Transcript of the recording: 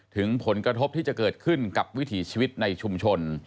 ถึงผลกระทบที่จะเกิดขึ้นกับวิถีชีวิตในชุมชน